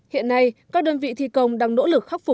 hiện nay các đơn vị thi công đang nỗ lực khóc phá